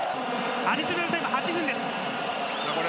アディショナルタイム８分です。